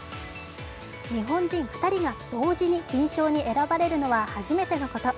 日本人２人が同時に金賞に選ばれるのは初めてのこと。